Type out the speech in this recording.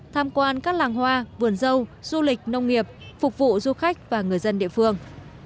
tham quan các làng hoa vườn dâu du lịch nông nghiệp phục vụ du khách và người dân địa phương